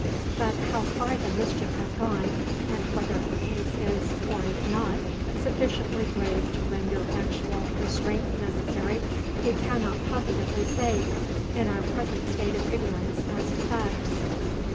But how far the mischief has gone, and whether her case is, or is not, sufficiently grave to render actual restraint necessary, he cannot positively say, in our present state of ignorance as to facts.